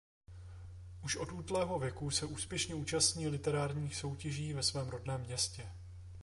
Už od útlého věku se úspěšně účastní literárních soutěží ve svém rodném městě.